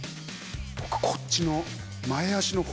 僕こっちの。